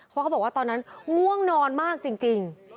เพราะเขาบอกว่าตอนนั้นง่วงนอนมากจริง